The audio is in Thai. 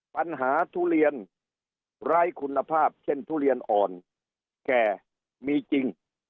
ทุเรียนไร้คุณภาพเช่นทุเรียนอ่อนแก่มีจริง